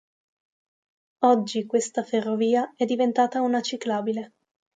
Oggi questa ferrovia è diventata una ciclabile.